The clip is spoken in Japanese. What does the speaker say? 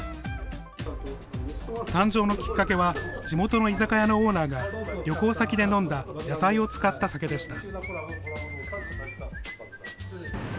誕生のきっかけは地元の居酒屋のオーナーが旅行先で飲んだ野菜を使った酒でした。